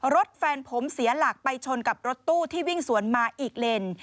รถแฟนผมเสียหลักไปชนกับรถตู้ที่วิ่งสวนมาอีกเลน